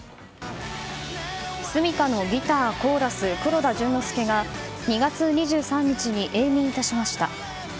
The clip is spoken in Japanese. ｓｕｍｉｋａのギター・コーラス黒田隼之介が２月２３日に永眠いたしました。